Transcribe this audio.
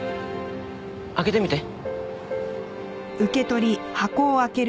開けてみて。